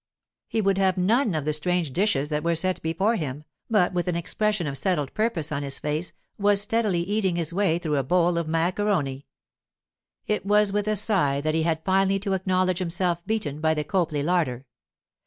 He would have none of the strange dishes that were set before him, but with an expression of settled purpose on his face was steadily eating his way through a bowl of macaroni. It was with a sigh that he had finally to acknowledge himself beaten by the Copley larder.